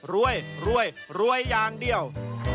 รวยรวยอย่างเดียว